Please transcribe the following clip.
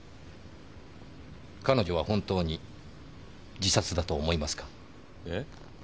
彼女は本当に自殺だと思いますか。え？